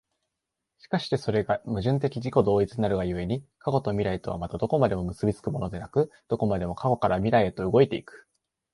而してそれが矛盾的自己同一なるが故に、過去と未来とはまたどこまでも結び付くものでなく、どこまでも過去から未来へと動いて行く。